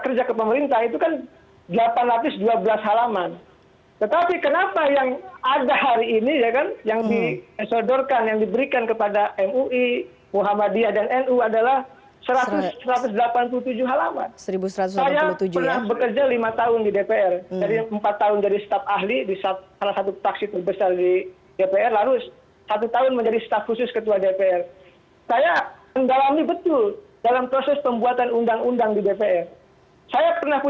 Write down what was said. selain itu presiden judicial review ke mahkamah konstitusi juga masih menjadi pilihan pp muhammadiyah